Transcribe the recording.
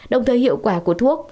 đồng thời hiệu quả của thuốc